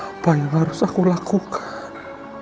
apa yang harus aku lakukan